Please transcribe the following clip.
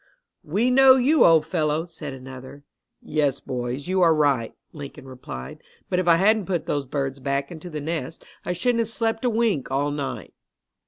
"We know you, old fellow!" said another. "Yes, boys, you are right," Lincoln replied. "But if I hadn't put those birds back into the nest I shouldn't have slept a wink all night."